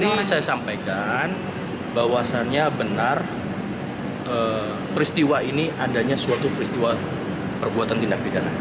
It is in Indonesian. tadi saya sampaikan bahwasannya benar peristiwa ini adanya suatu peristiwa perbuatan tindak pidana